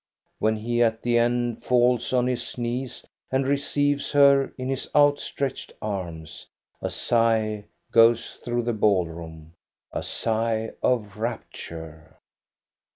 When he at the end falls on his knees and receives her in his outstretched arms, a sigh goes through the ball room, a sigh of rapture.